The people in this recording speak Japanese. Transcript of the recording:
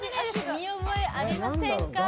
見覚えありませんか？